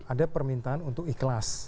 ada permintaan untuk ikhlas